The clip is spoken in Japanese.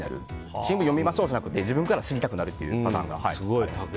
新聞読みましょうじゃなくて自分から読みたくなるパターンで。